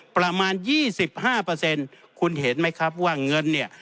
ประมาณยี่สิบห้าเปอร์เซ็นต์คุณเห็นไหมครับว่าเงินเนี่ย